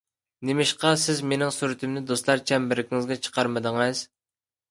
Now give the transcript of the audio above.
نېمىشقا سىز مىنىڭ سۈرىتىمنى دوستلار چەمبىرىكىڭىزگە چىقارمىدىڭىز؟